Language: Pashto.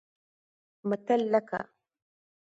متل لکه